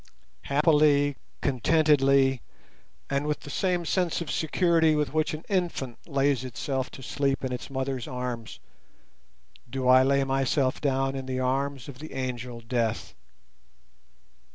Happily, contentedly, and with the same sense of security with which an infant lays itself to sleep in its mother's arms, do I lay myself down in the arms of the Angel Death.